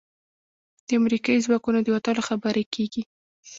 د امریکايي ځواکونو د وتلو خبرې کېږي.